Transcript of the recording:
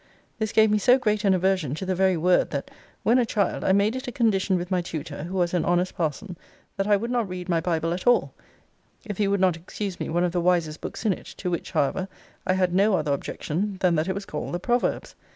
This gave me so great an aversion to the very word, that, when a child, I made it a condition with my tutor, who was an honest parson, that I would not read my Bible at all, if he would not excuse me one of the wisest books in it: to which, however, I had no other objection, than that it was called The Proverbs.